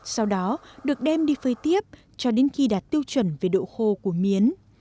sau đó được đem đi phơi tiếp cho đến khi đạt tiêu chuẩn về độ khô của miến